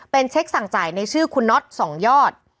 เป็นเช็คสั่งจ่ายในชื่อคุณน็อต๒ยอด